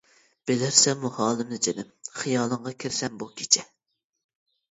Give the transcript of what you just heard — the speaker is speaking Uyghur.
بىلەرسەنمۇ ھالىمنى جېنىم؟ خىيالىڭغا كىرسەم بۇ كېچە؟ !